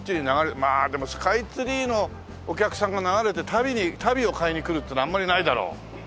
まあでもスカイツリーのお客さんが流れて足袋を買いに来るっていうのはあんまりないだろう。